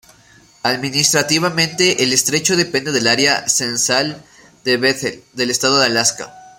Administrativamente, el estrecho depende del Área censal de Bethel del estado de Alaska.